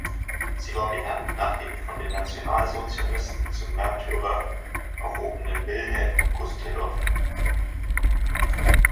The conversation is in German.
Sie war benannt nach dem von den Nationalsozialisten zum „Märtyrer“ erhobenen Wilhelm Gustloff.